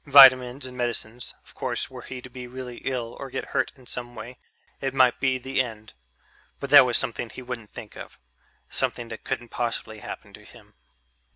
Vitamins and medicines of course, were he to get really ill or get hurt in some way, it might be the end ... but that was something he wouldn't think of something that couldn't possibly happen to him....